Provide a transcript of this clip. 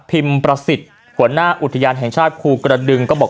ประสิทธิ์หัวหน้าอุทยานแห่งชาติภูกระดึงก็บอก